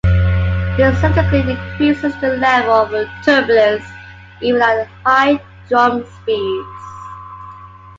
This significantly increases the level of turbulence, even at high drum speeds.